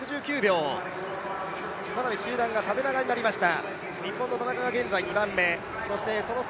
かなり集団が縦長になりました。